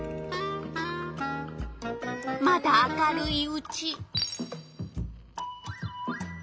まだ明るいうち。